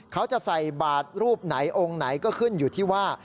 เขาจะใส่บาทรูปไหนองค์ไหนก็ขึ้นอยู่ที่ว่า